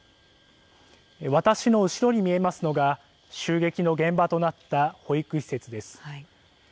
私の後ろに見えますのが襲撃の現場となった保育施設です。